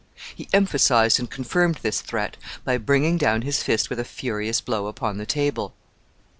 He emphasized and confirmed this threat by bringing down his fist with a furious blow upon the table.